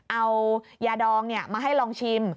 เอายาดองมาให้ลองชิม